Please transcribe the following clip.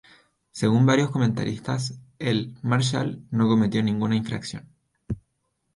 Según varios comentaristas, el "marshal" no cometió ninguna infracción.